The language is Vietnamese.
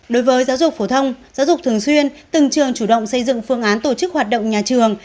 đối với giáo dục phổ thông giáo dục thường xuyên từng trường chủ động xây dựng phương án tổ chức hoạt động nhà trường